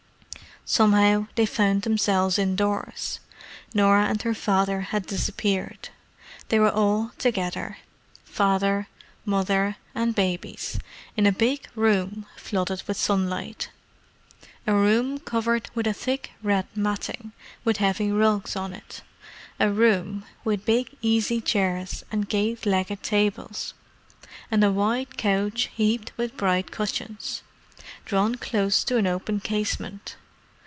Somehow they found themselves indoors. Norah and her father had disappeared; they were all together, father, mother, and babies, in a big room flooded with sunlight: a room covered with a thick red matting with heavy rugs on it; a room with big easy chairs and gate legged tables, and a wide couch heaped with bright cushions, drawn close to an open casement.